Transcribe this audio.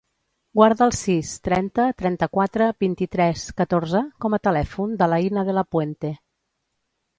Guarda el sis, trenta, trenta-quatre, vint-i-tres, catorze com a telèfon de l'Aïna De La Puente.